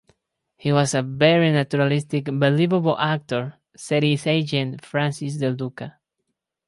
"He was a very naturalistic, believable actor," said his agent, Francis Delduca.